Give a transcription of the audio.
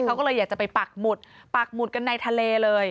เขาก็เลยอยากจะไปปักหมุดปักหมุดกันในทะเลเลย